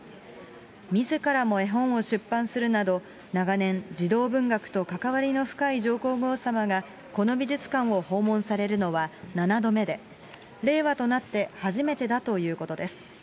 みずからも絵本を出版するなど、長年、児童文学と関わりの深い上皇后さまが、この美術館を訪問されるのは７度目で、令和となって初めてだということです。